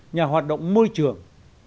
nhà hoạt động môi trường